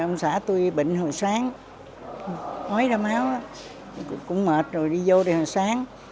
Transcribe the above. ông xã tôi bị bệnh hồi sáng hói ra máu cũng mệt rồi đi vô hồi sáng